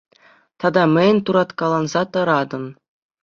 Тата мӗн турткаланса тӑратӑн?